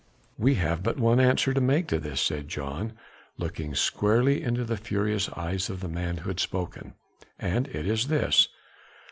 "We have but one answer to make to this," said John, looking squarely into the furious eyes of the man who had spoken, "and it is this.